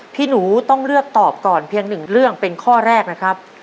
พี่หนูต้องเลือกตอบก่อนเพียงหนึ่งเรื่องเป็นข้อแรกนะครับ